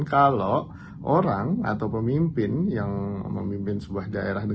kalau orang atau pemimpin yang memimpin sebuah daerah itu